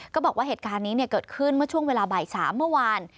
ก็บอกว่าเหตุการณ์นี้เกิดขึ้นเมื่อช่วงเวลาบ่าย๓เมื่อวาน